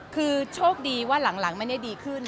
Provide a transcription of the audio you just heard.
คือโชคดีว่าหลังไม่ได้ดีขึ้น